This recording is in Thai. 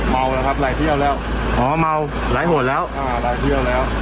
เมานะครับไล่ที่เอาแล้วอ๋อเมาไล่โหดแล้วอ่าไล่ที่เอาแล้ว